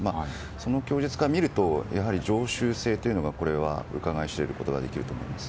その供述から見ると常習性というのがうかがい知れることができると思います。